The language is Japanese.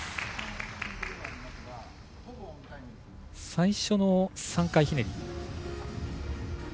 最初の３回ひねり。